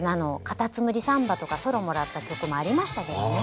「かたつむりサンバ」とかソロもらった曲もありましたけどね。